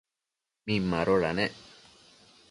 Min madoda nec ?